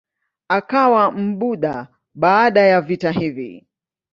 Akawa Mbudha baada ya vita hivi.